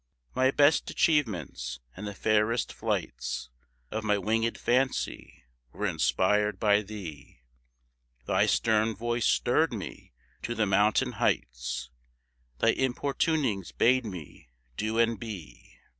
My best achievements and the fairest flights Of my winged fancy were inspired by thee; Thy stern voice stirred me to the mountain heights; Thy importunings bade me do and be.